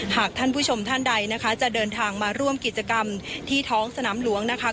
หากท่านผู้ชมท่านใดนะคะจะเดินทางมาร่วมกิจกรรมที่ท้องสนามหลวงนะคะ